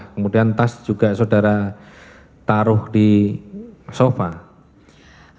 kemudian tas juga saudara taruh di sofa